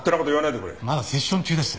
まだセッション中です。